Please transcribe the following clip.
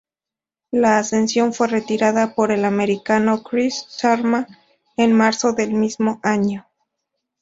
La ascensión fue repetida por el americano Chris Sharma en marzo del mismo año.